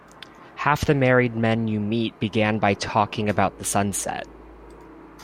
Half the married men you meet began by talking about the sunset.